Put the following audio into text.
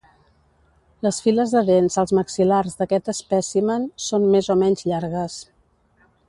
Les files de dents als maxil·lars d'aquest espècimen són més o menys llargues.